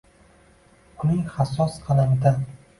Uning hassos qalamidan